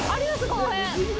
この辺。